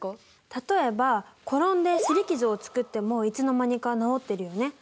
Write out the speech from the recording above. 例えば転んで擦り傷をつくってもいつの間にか治ってるよね。